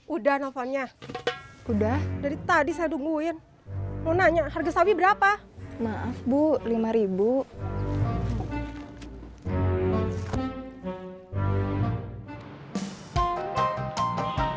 udah nelfonnya udah dari tadi saya nungguin mau nanya harga sawi berapa maaf bu rp lima